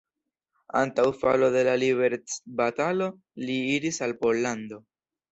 Antaŭ falo de la liberecbatalo li iris al Pollando.